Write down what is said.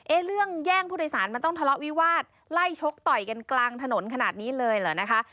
เรื่องแย่งผู้โดยสารมันต้องทะเลาะวิวาสไล่ชกต่อยกันกลางถนนขนาดนี้เลยเหรอนะคะ